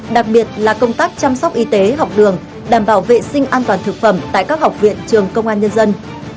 đặc biệt là công tác chăm sóc y tế học đường đảm bảo vệ sinh an toàn thực phẩm tại các học viện trường công an nhân dân